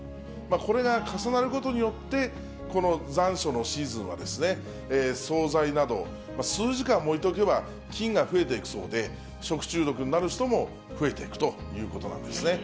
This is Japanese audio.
これが重なることによって、この残暑のシーズンは、総菜など、数時間も置いておけば菌が増えていくそうで、食中毒になる人も増えていくということなんですね。